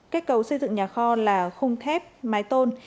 kết cấu xây dựng nhà kho là không thép mái tôn